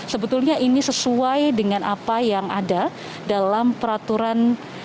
sebetulnya ini sesuai dengan apa yang ada dalam peraturan